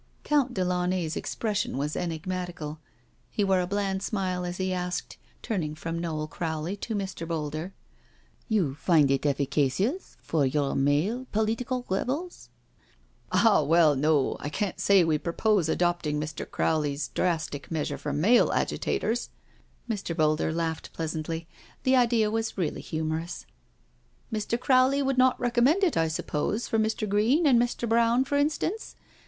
Count de Latmay^s expression was enigmatical. He wore a bland smile as he asked, turning from Noel Crowley to Mr. Boulder: " You find it efficacious for your male political rebels? "" Oh, ah, well, no» I can't say we propose adopting Mr. Crowley's drastic measure for male agitators." Mr. Boulder laughed pleasantly. The idea was really humorous. "Mr. Crowley would not recommend it, I suppose, for Mr. Greene and Mr. Browne, for instance?"